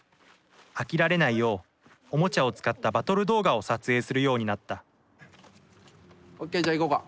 飽きられないようおもちゃを使ったバトル動画を撮影するようになったオッケーじゃあいこうか。